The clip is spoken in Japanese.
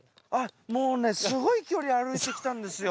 もうねすごい距離歩いてきたんですよ。